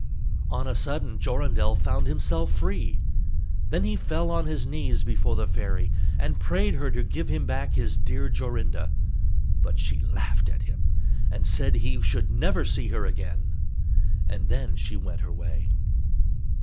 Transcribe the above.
On a sudden Jorindel found himself free. Then he fell on his knees before the fairy, and prayed her to give him back his dear Jorinda: but she laughed at him, and said he should never see her again; then she went her way.